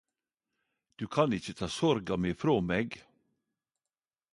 Du kan ikkje ta sorga mi frå meg